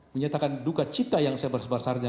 menyatakan duka cita yang saya bersebarsarnya